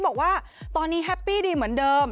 บอกว่าตอนนี้แฮปปี้ดีเหมือนเดิม